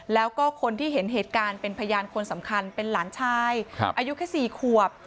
แล้วก็คนที่เห็นเหตุการณ์เป็นพยานคนสำคัญเป็นหลานชายอายุแค่๔ขวบ